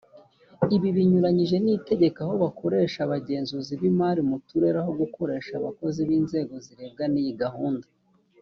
ibi binyuranyije n’itegeko aho bakoresha abagenzuzi b’imari mu turere aho gukoresha abakozi b’inzego zirebwa n’iyi gahunda